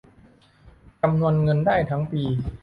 จำนวนเงินได้ทั้งปี